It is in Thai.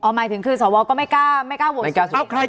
คือสองบอร์ก็ไม่กล้าโหวดสวดอยู่สังขลาย